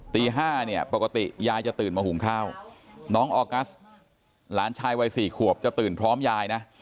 ตี๕เนี่ยปกติยายจะตื่นมาหุงข้าวน้องออกัสหลานชายวัย๔ขวบจะตื่นพร้อมยายนะ